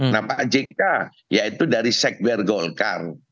nah pak jk yaitu dari sekber golkar